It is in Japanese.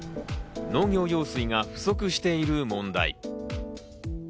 農業用水が不足している問題。